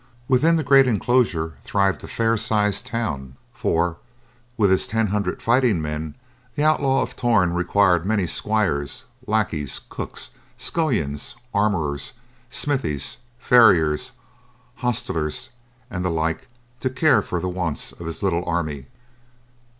Within the great enclosure thrived a fair sized town, for, with his ten hundred fighting men, the Outlaw of Torn required many squires, lackeys, cooks, scullions, armorers, smithies, farriers, hostlers and the like to care for the wants of his little army.